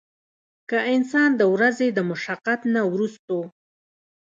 کۀ انسان د ورځې د مشقت نه وروستو